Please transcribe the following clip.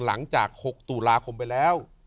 หลังจาก๖ตุลาคมไปแล้ว